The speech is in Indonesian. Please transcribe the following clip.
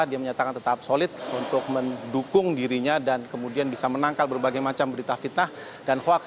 dia menyatakan tetap solid untuk mendukung dirinya dan kemudian bisa menangkal berbagai macam berita fitnah dan hoaks